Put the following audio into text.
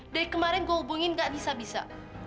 dari kemarin gue hubungin gak bisa bisa